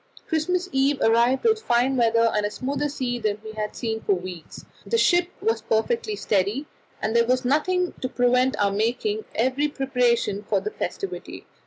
Christmas Eve arrived with finer weather and a smoother sea than we had seen for weeks. The ship was perfectly steady, and there was nothing to prevent our making every preparation for the festivity.